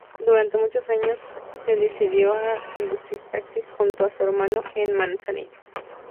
Durante muchos años se dedicó a conducir taxis junto a su hermano en Manzanillo.